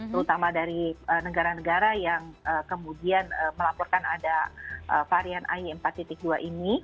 terutama dari negara negara yang kemudian melaporkan ada varian ay empat dua ini